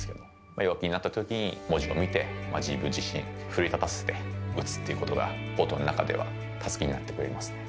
弱気になったときに文字を見て、自分自身を奮い立たせて打つってことが、コートの中では助けになってくれます。